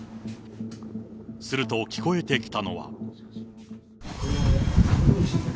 すると、聞こえてきたのは。